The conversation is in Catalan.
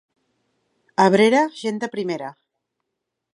Abrera, gent de primera.